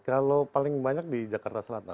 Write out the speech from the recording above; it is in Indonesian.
kalau paling banyak di jakarta selatan